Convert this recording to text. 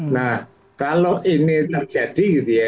nah kalau ini terjadi gitu ya